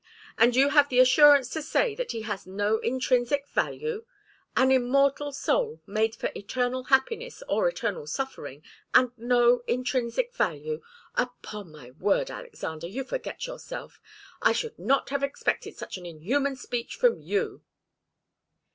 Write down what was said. And you have the assurance to say that he has no intrinsic value! An immortal soul, made for eternal happiness or eternal suffering, and no intrinsic value! Upon my word, Alexander, you forget yourself! I should not have expected such an inhuman speech from you."